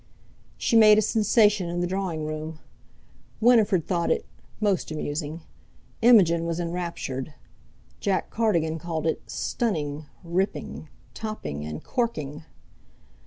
She made a sensation in the drawing room. Winifred thought it "Most amusing." Imogen was enraptured. Jack Cardigan called it "stunning," "ripping," "topping," and "corking."